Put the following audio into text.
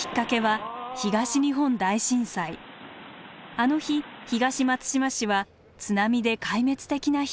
あの日東松島市は津波で壊滅的な被害を受けました。